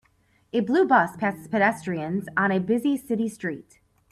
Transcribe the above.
The blue bus passes pedestrians on a busy city street.